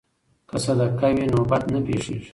که صدقه وي نو بد نه پیښیږي.